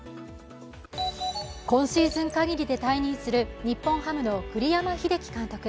今シーズン限りで退任する日本ハムの栗山英樹監督。